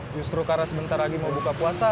justru karena sebentar lagi mau buka puasa